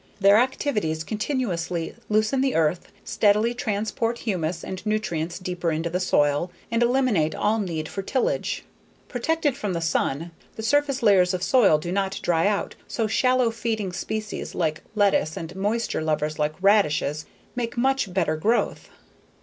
Their activities continuously loosen the earth, steadily transport humus and nutrients deeper into the soil, and eliminate all need for tillage. Protected from the sun, the surface layers of soil do not dry out so shallow feeding species like lettuce and moisture lovers like radishes make much better growth.